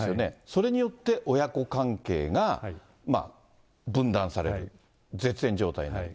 それによって親子関係が分断される、絶縁状態になる。